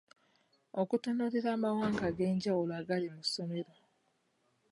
Okutunuulira amawanga ag’enjawulo agali mu ssomero.